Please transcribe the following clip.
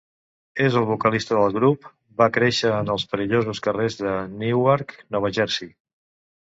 És el vocalista del grup, va créixer en els perillosos carrers de Newark, Nova Jersey.